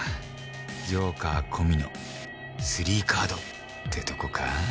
ジョーカー込みの３カードってとこか